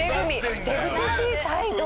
ふてぶてしい態度。